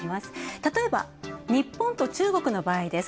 例えば、日本と中国の場合です。